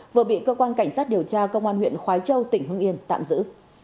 vừa bị cơ quan cảnh sát điều tra công an huyện khói châu tỉnh hưng yên tạm giữ